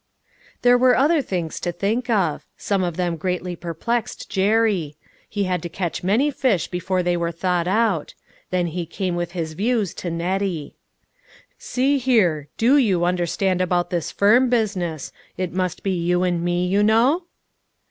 There were other things to think of; some of them greatly perplexed Jerry ; he had to catch many fish before they were thought out. Then he came with his views to Nettie. THE NEW ENTERPRISE. 375 i "See here, do you understand about this firm business; it must be you and me, you know?"